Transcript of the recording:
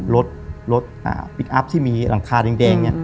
รถปลิ๊ดอัพที่มีหลังคาแดง